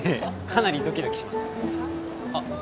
かなりドキドキしますあっ